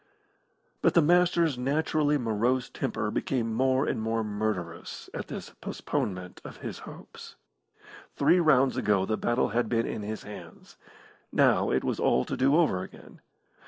But the Master's naturally morose temper became more and more murderous at this postponement of his hopes. Three rounds ago the battle had been in his hands; now it was all to do over again.